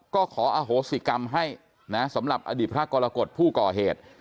ก็ขออโหสิกรรมให้นะสำหรับอดีตพระกรกฎผู้ก่อเหตุ